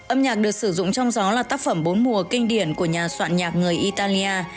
âm nhạc được sử dụng trong gió là tác phẩm bốn mùa kinh điển của nhà soạn nhạc người italia